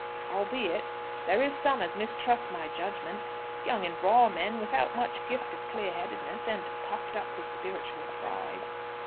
"Albeit there is some as mistrust my judgment; young and raw men without much gift of clear headedness, and puffed up with spiritual pride."